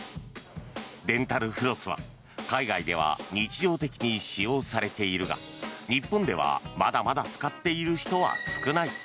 デンタルフロスは海外では日常的に使用されているが日本ではまだまだ使っている人は少ない。